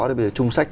bây giờ trung sách